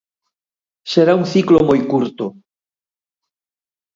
Será un ciclo moi curto.